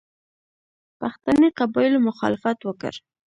پښتني قبایلو مخالفت وکړ.